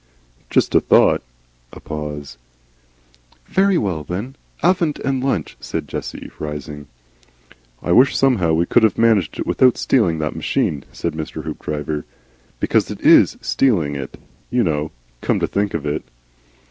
"Jest a thought." A pause. "Very well, then, Havant and lunch," said Jessie, rising. "I wish, somehow, we could have managed it without stealing that machine," said Hoopdriver. "Because it IS stealing it, you know, come to think of it."